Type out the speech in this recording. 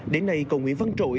đến nay cầu nguyễn văn trỗi